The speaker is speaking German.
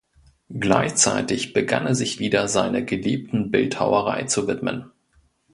Gleichzeitig begann er sich wieder seiner geliebten Bildhauerei zu widmen.